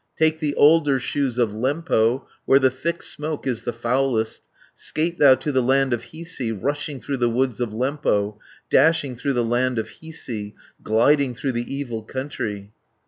Take the alder shoes of Lempo, Where the thick smoke is the foulest, Skate thou to the land of Hiisi, Rushing through the woods of Lempo, Dashing through the land of Hiisi, Gliding through the evil country.